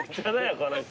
この人。